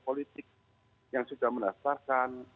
politik yang sudah menasarkan